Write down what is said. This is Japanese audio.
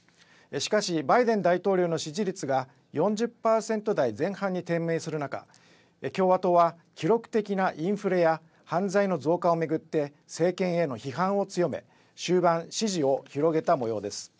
しかしバイデン大統領の支持率が４０％台前半に低迷する中、共和党は記録的なインフレや犯罪の増加を巡って政権への批判を強め終盤、支持を広げたもようです。